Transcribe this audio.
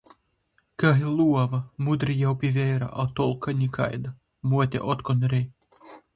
Kai luova! Mudri jau pi veira, a tolka nikaida! Muote otkon rej.